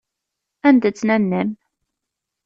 Anda-tt nanna-m?